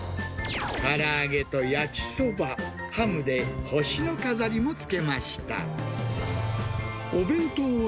から揚げと焼きそば、ハムで星の飾りもつけました。